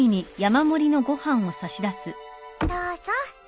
どうぞ。